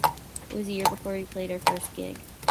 It was a year before we played our first gig.